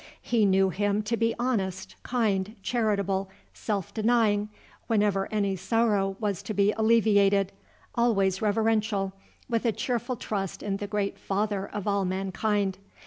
He knew him to be honest, kind, charitable, self denying, wherever any sorrow was to be alleviated, always reverential, with a cheerful trust in the great Father of all mankind.